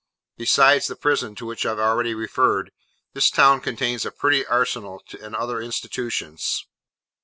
Besides the prison to which I have already referred, this town contains a pretty arsenal and other institutions.